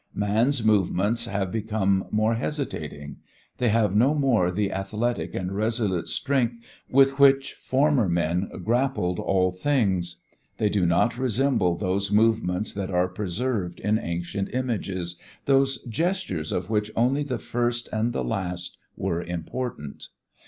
Man's movements have become more hesitating. They have no more the athletic and resolute strength with which former men grappled all things. They do not resemble those movements that are preserved in ancient images, those gestures of which only the first and the last were important.